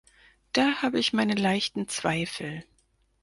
Da habe ich meine leichten Zweifel.